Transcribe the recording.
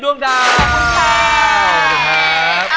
สำคัญ